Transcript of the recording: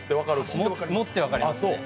持って分かりますね。